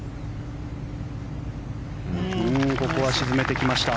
ここは沈めてきました。